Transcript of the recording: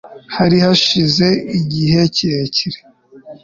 hari hashize igihe kirekire